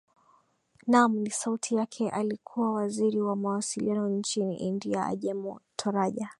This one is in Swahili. naam ni sauti yake alikuwa waziri wa mawasiliano nchini india ajemo toraja